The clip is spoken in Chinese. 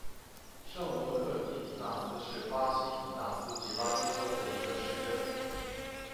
圣罗克迪米纳斯是巴西米纳斯吉拉斯州的一个市镇。